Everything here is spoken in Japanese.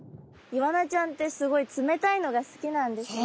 イワナちゃんってすごい冷たいのが好きなんですね。